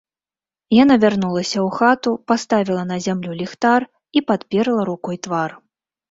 Яна вярнулася ў хату, паставіла на зямлю ліхтар і падперла рукой твар.